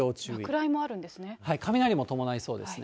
雷も伴いそうですね。